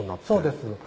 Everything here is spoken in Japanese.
そうです。